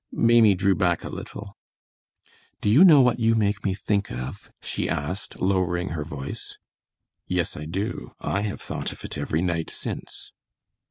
Maimie drew back a little. "Do you know what you make me think of?" she asked, lowering her voice. "Yes, I do. I have thought of it every night since."